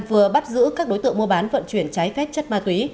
vừa bắt giữ các đối tượng mua bán vận chuyển trái phép chất ma túy